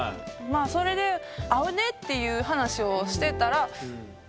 それで合うねっていう話をしてたらえ？